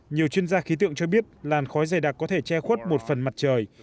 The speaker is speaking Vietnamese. nhiều chuyên gia khí tượng cho biết làn khói dày đặc có thể che khuất một phần mặt trời